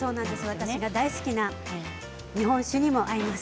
私が大好きな日本酒にも合います。